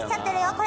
これ。